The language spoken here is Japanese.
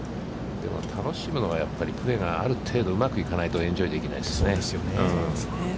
でも楽しむのは、やっぱりプレーがある程度うまくいかないとエンジョイできないですよね。